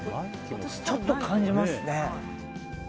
ちょっと感じますね。